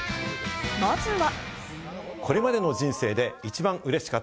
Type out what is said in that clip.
まずは。